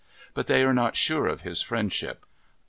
But they are not sure of his friendship.